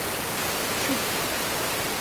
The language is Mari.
Щуп.